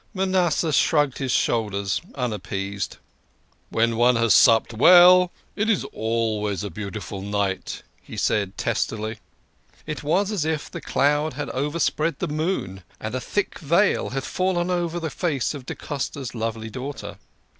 Manasseh shrugged his shoulders, unappeased. " When one has supped well, it is always a beautiful night," he said testily. It was as if the cloud had overspread the moon, and a thick veil had fallen over the face of da Costa's lovely daughter.